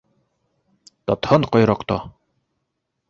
—Тотһон ҡойроҡто!